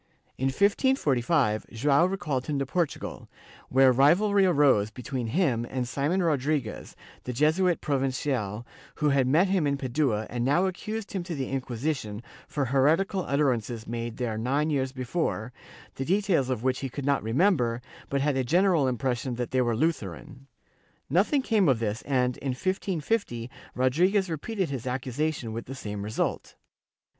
In 1545, Joao recalled him to Portugal, where rivalry arose between him and Simon Rodriguez the Jesuit Provincial, who had met him in Padua and now accused him to the Inquisition for heretical utterances made there nine years before, the details of which he could not remember, but had a general impression that they were Lutheran. Nothing came of this and, in 1550, Rodriguez repeated his accusation, with the same result.